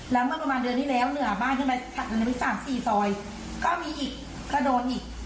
แล้วเมื่อประมาณเดือนนี้แล้วเหนือบ้านขึ้นไปถักกันไปสามสี่ซอยก็มีอีกขโดนอีก